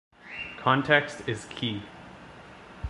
Context is key.